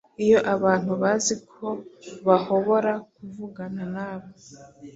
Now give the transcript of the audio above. Iyo abantu bazi ko bahobora kuvugana nawe